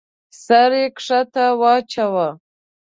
سر يې کښته واچاوه.